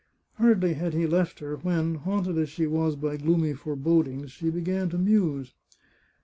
Hardly had he left her, when, haunted as she was by gloomy forebodings, she began to muse.